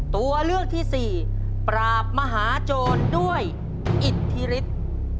ตัวเลือกที่สี่ปราบมหาโจรด้วยอิทธิฤทธิ์